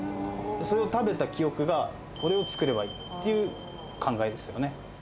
それを食べた記憶が、これを作ればいいっていう考えですよね。